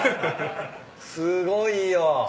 すごいよ。